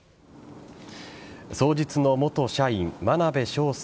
双日の元社員真鍋昌奨